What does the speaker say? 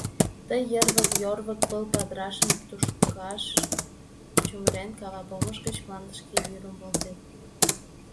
Тый, йырвык-йорвык пыл падырашым тӱшкаш чумырен, кава помыш гыч мландышке йӱрым волтет.